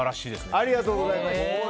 ありがとうございます。